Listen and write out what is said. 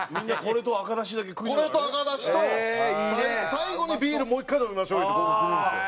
最後のビールもう１回飲みましょう言うてここ来るんですよ。